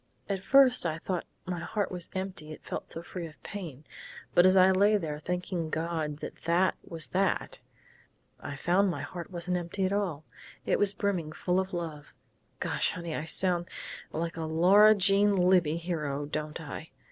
At first I thought my heart was empty it felt so free of pain. But as I lay there thanking God that that was that, I found my heart wasn't empty at all. It was brimming full of love Gosh, honey! I sound like a Laura Jean Libbey hero, don't I?...